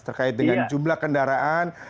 terkait dengan jumlah kendaraan